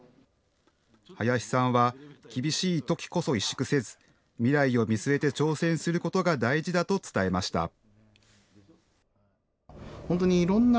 林さんは厳しいときこそ萎縮せず未来を見据えて挑戦することが大事だと伝えました。